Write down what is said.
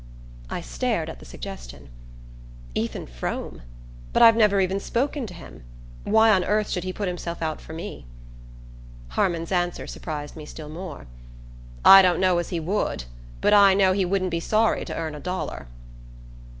I stared at the suggestion. "Ethan Frome? But I've never even spoken to him. Why on earth should he put himself out for me?" Harmon's answer surprised me still more. "I don't know as he would; but I know he wouldn't be sorry to earn a dollar."